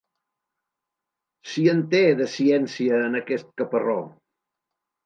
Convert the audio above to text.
Si en té, de ciència, en aquest caparró!